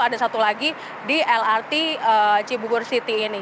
ada satu lagi di lrt cibugur city ini